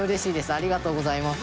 ありがとうございます。